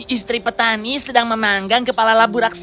istri petani sedang memanggang kepala labu raksasa